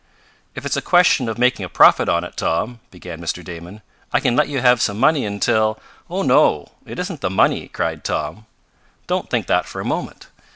"If it's a question of making a profit on it, Tom," began Mr. Damon, "I can let you have some money until " "Oh, no! It isn't the money!" cried Tom. "Don't think that for a moment.